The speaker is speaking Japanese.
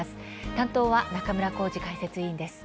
担当は中村幸司解説委員です。